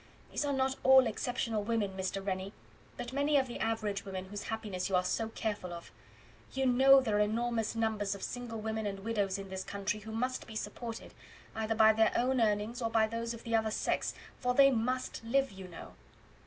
These are not all exceptional women, Mr. Rennie, but many of the average women whose happiness you are so careful of. You know there are enormous numbers of single women and widows in this country who must be supported, either by their own earnings or by those of the other sex, for they MUST live, you know."